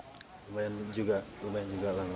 lumayan juga lumayan juga lah